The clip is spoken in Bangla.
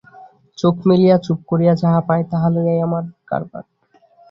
চোখ মেলিয়া চুপ করিয়া যাহা পাই তাহা লইয়াই আমার কারবার।